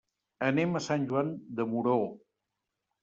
Anem a Sant Joan de Moró.